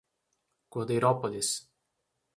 Cordeirópolis